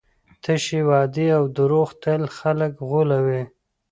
تشې وعدې او دروغ تل خلګ غولوي.